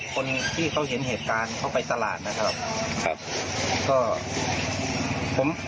คนที่เขาเห็นเหตุการณ์เขาไปตลาดนะครับ